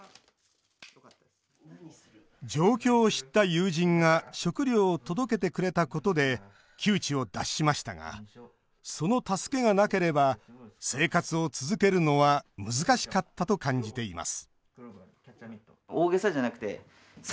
状況を知った友人が食料を届けてくれたことで窮地を脱しましたがその助けがなければ生活を続けるのは難しかったと感じています